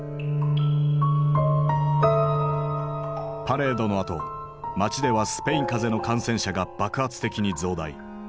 パレードのあと街ではスペイン風邪の感染者が爆発的に増大。